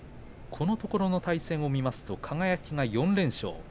このところの対戦を見ますと輝が４連勝。